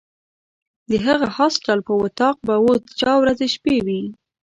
د هغه هاسټل په وطاق به اوس چا ورځې شپې وي.